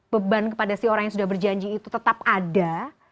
beban kepada si orang yang sudah berjanji itu tetap ada